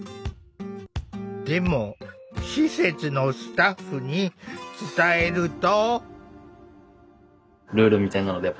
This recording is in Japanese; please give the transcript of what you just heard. でも施設のスタッフに伝えると。